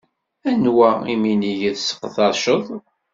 Anwa iminig i tseqdaceḍ?